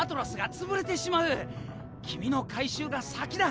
君の回収が先だ！